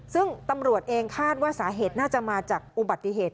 ซึ่งตำรวจเองคาดว่าสาเหตุน่าจะมาจากอุบัติเหตุ